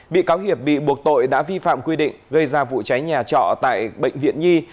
bị cáo hiệp bị buộc tội đã vi phạm quy định gây ra vụ cháy nhà trọ tại bệnh viện nhi